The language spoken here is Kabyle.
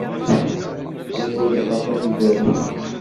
Ttagadeɣ aṭas izerman.